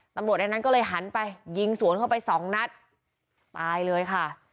ในนั้นก็เลยหันไปยิงสวนเข้าไปสองนัดตายเลยค่ะ